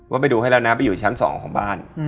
ไปดูให้แล้วนะไปอยู่ชั้น๒ของบ้าน